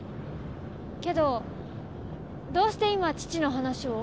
けどどうして今父の話を？